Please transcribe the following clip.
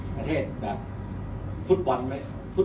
ประเทศแบบฟุตบอลไหม